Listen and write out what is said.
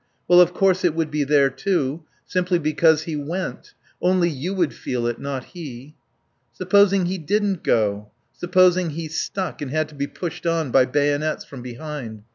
Well, of course it would be there too, simply because he went; only you would feel it, not he. Supposing he didn't go, supposing he stuck, and had to be pushed on, by bayonets, from behind?